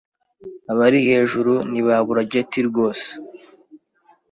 Abari hejuru ntibabura jetty rwose